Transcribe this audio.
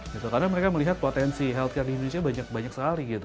gitu karena mereka melihat potensi healthcare di indonesia banyak banyak sekali gitu